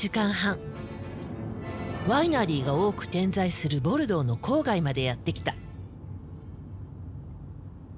ワイナリーが多く点在するボルドーの郊外までやって来た。